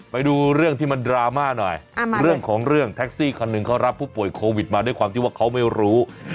ไปดูเรื่องที่มันดราม่าหน่อยเรื่องของเรื่องแท็กซี่คันหนึ่งเขารับผู้ป่วยโควิดมาด้วยความที่ว่าเขาไม่รู้